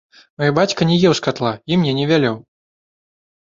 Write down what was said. Мой бацька не еў з катла і мне не вялеў.